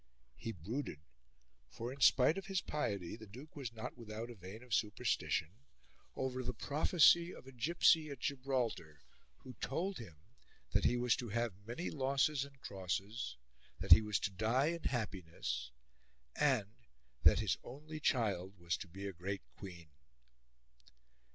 He brooded for in spite of his piety the Duke was not without a vein of superstition over the prophecy of a gipsy at Gibraltar who told him that he was to have many losses and crosses, that he was to die in happiness, and that his only child was to be a great queen.